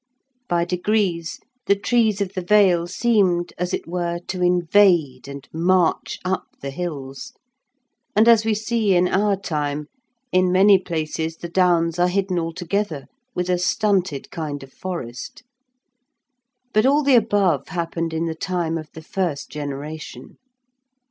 By degrees the trees of the vale seemed as it were to invade and march up the hills, and, as we see in our time, in many places the downs are hidden altogether with a stunted kind of forest. But all the above happened in the time of the first generation.